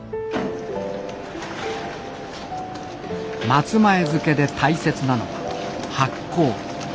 松前漬で大切なのは発酵。